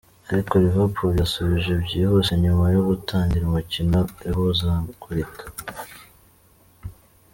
Ariko Liverpool yasubije byihuse nyuma yo gutangira umukino ihuzagurika.